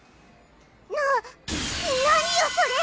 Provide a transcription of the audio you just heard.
な何よそれ！